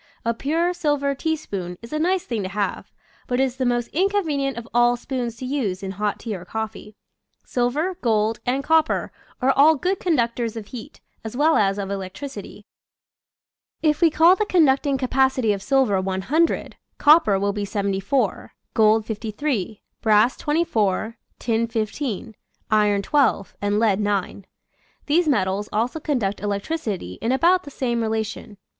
A pure silver teaspoon is a nice thing to have, but it is the most inconvenient of all spoons to use in hot tea or coffee. Silver, gold, and copper are all good conductors of heat, as well as of electricity. If we call the con ducting capacity of silver 100, copper will be 74, gold 53, brass 24, tin 15, iron 12, and lead 9. These metals also conduct electricity in about the same relation.